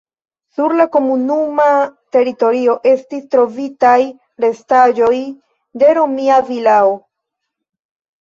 Sur la komunuma teritorio estis trovitaj restaĵoj de romia vilao.